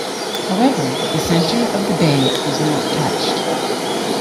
However, the center of the bay is not touched.